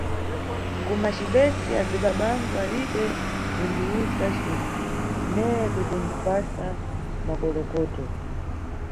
Ku macibese azibabangu alibe kundiwuza cinthu, neye kutondipasa makolokoto.